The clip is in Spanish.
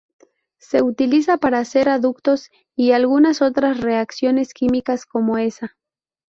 Se utiliza para hacer aductos y algunas otras reacciones químicas como esa.